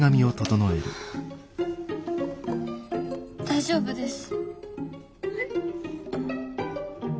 大丈夫です。